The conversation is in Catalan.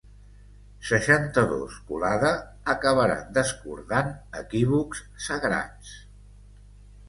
Seixanta-dos culada acabaran descordant equívocs sagrats.